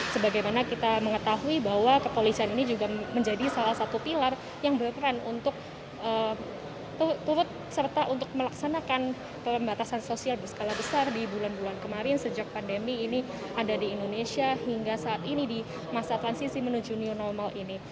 sebagaimana kita mengetahui bahwa kepolisian ini juga menjadi salah satu pilar yang berperan untuk turut serta untuk melaksanakan pembatasan sosial berskala besar di bulan bulan kemarin sejak pandemi ini ada di indonesia hingga saat ini di masa transisi menuju new normal ini